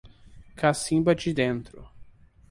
Cacimba de Dentro